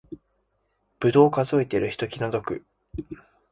ぶどう数えてる人気の毒